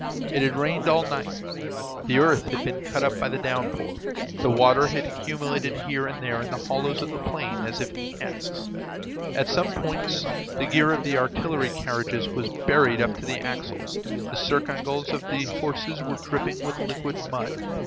It had rained all night, the earth had been cut up by the downpour, the water had accumulated here and there in the hollows of the plain as if in casks; at some points the gear of the artillery carriages was buried up to the axles, the circingles of the horses were dripping with liquid mud.